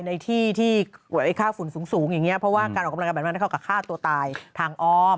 ในที่ที่ไข้ฝุ่นสูงการออกกำลังกายได้เข้ากับค่าตัวตายทางอ้อม